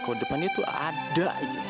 kalo depannya tuh ada aja